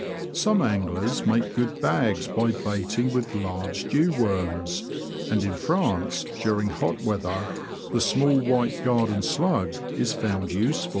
Some anglers make good bags by baiting with large dew worms ; and in France, during hot weather, the small white garden slug is found useful.